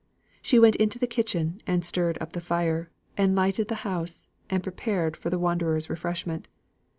She went into the kitchen, and stirred up the fire, and lighted the house, and prepared for the wanderer's refreshment.